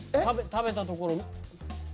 食べたところ。